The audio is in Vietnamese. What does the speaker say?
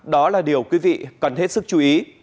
đó là điều quý vị cần hết sức chú ý